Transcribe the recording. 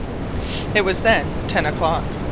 It was then ten o'clock.